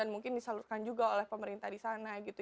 dan mungkin disalurkan juga oleh pemerintah di sana gitu